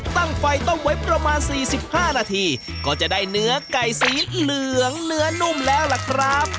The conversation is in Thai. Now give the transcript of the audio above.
ตั้งไฟต้มไว้ประมาณ๔๕นาทีก็จะได้เนื้อไก่สีเหลืองเนื้อนุ่มแล้วล่ะครับ